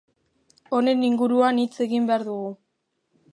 Honen inguruan hitz egin behar dugu.